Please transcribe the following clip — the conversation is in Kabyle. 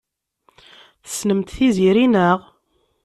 Tessnemt Tiziri, naɣ?